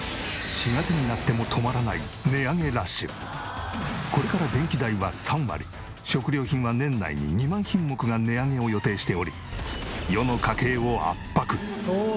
４月になってもこれから電気代は３割食料品は年内に２万品目が値上げを予定しており世の家計を圧迫。